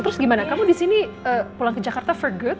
terus gimana kamu disini pulang ke jakarta for good